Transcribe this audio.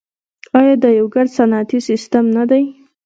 آیا دا یو ګډ صنعتي سیستم نه دی؟